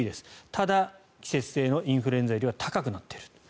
ただ季節性のインフルエンザよりは高くなっている。